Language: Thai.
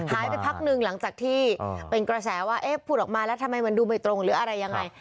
พักหนึ่งหลังจากที่เป็นกระแสว่าเอ๊ะพูดออกมาแล้วทำไมมันดูไม่ตรงหรืออะไรยังไง